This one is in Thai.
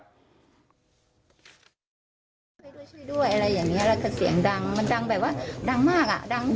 ช่วยด้วยช่วยด้วยอะไรอย่างนี้แล้วก็เสียงดังมันดังแบบว่าดังมากอ่ะดังมาก